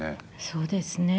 そうですね。